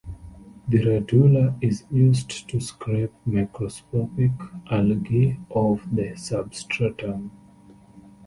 The radula is used to scrape microscopic algae off the substratum.